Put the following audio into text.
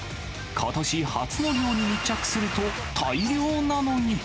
ことし初の漁に密着すると、大漁なのに。